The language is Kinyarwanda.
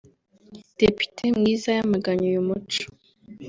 Depite Mwiza yamaganye uyu muco